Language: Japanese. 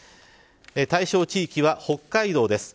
対象地域は北海道です。